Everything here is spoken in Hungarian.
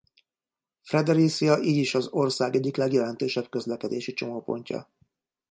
Fredericia így is az ország egyik legjelentősebb közlekedési csomópontja.